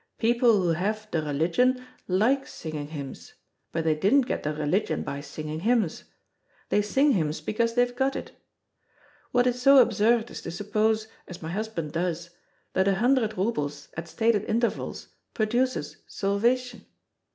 People who have 'the religion' like singing hymns, but they didn't get the religion by singing hymns. They sing hymns because they've got it. What is so absurd is to suppose, as my husband does, that a hundred roubles at stated intervals produces salvation.